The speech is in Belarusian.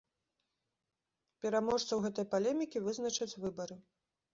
Пераможцаў гэтай палемікі вызначаць выбары.